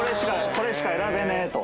これしか選べねえと。